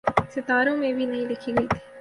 ستاروں میں بھی نہیں لکھی گئی تھی۔